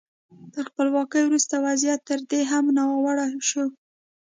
تر خپلواکۍ وروسته وضعیت تر دې هم ناوړه شو.